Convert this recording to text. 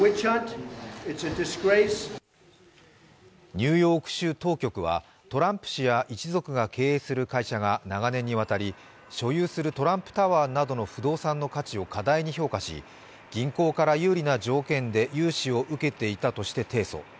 ニューヨーク州当局はトランプ氏や一族が経営する会社が長年にわたり、所有するトランプタワーなどの不動産の価値を課題に評価し、銀行から有利な条件で融資を受けていたとして提訴。